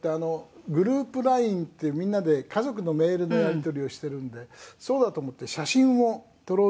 「グループＬＩＮＥってみんなで家族のメールのやり取りをしているんでそうだと思って写真を撮ろうと思いましてね」